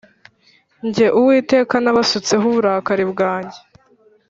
Jye Uwiteka nabasutseho uburakari bwanjye